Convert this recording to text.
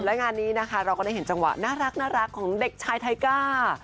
และงานนี้นะคะเราก็ได้เห็นจังหวะน่ารักของเด็กชายไทก้า